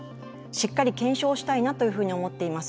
しっかり検証したいなというふうに思っています。